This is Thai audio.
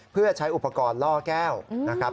เพื่อใช้อุปกรณ์ล่อแก้วนะครับ